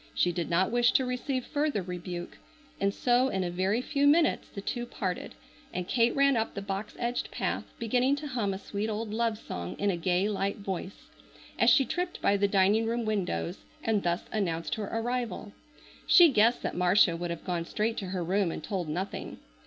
She did not wish to receive further rebuke, and so in a very few minutes the two parted and Kate ran up the box edged path, beginning to hum a sweet old love song in a gay light voice, as she tripped by the dining room windows, and thus announced her arrival. She guessed that Marcia would have gone straight to her room and told nothing.